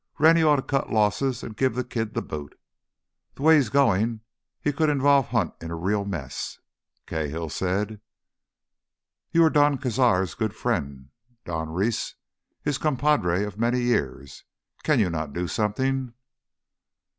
Rennie ought to cut losses and give that kid the boot. The way he's going he could involve Hunt in a real mess," Cahill said. "You are Don Cazar's good friend, Don Reese, his compadre of many years. Can you not do something?"